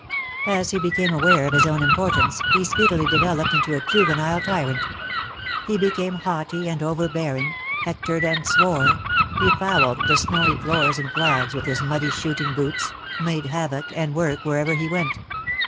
As he became aware of his own importance^ he speedily developed into a juvenile tyrant ; he became haughty and overbearing, hectored and swore, befouled the snowy floors and flags with his muddy shooting boots, made havoc and work wherever he went.